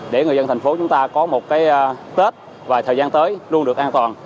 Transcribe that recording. để người dân thành phố chúng ta có một cái tết và thời gian tới luôn được an toàn